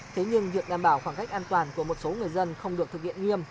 thế nhưng việc đảm bảo khoảng cách an toàn của một số người dân không được thực hiện nghiêm